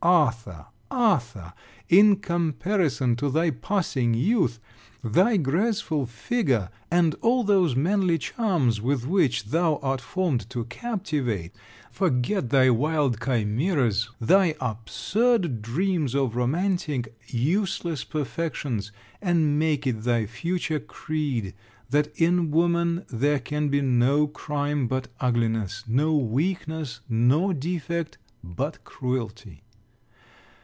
Arthur, Arthur, in compassion to thy passing youth, thy graceful figure, and all those manly charms with which thou art formed to captivate, forget thy wild chimeras, thy absurd dreams of romantic useless perfections; and make it thy future creed, that in woman there can be no crime but ugliness, no weakness nor defect but cruelty.